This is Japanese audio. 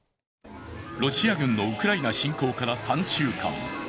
ロシア軍のウクライナ侵攻から３週間。